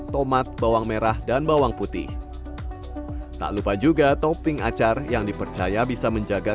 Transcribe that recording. tomat bawang merah dan bawang putih tak lupa juga topping acar yang dipercaya bisa menjaga